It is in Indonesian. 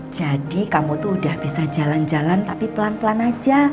jadi kamu tuh udah bisa jalan jalan tapi pelan pelan aja